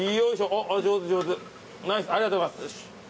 ありがとうございます。